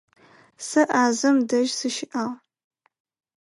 Сэ Ӏазэм дэжь сыщыӀагъ.